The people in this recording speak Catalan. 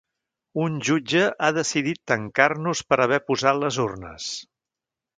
Un jutge ha decidit tancar-nos per haver posat les urnes.